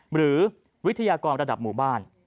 หรือวิทยากรระดับหมู่บ้าน